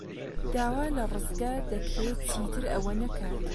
داوا لە ڕزگار دەکرێت چیتر ئەوە نەکات.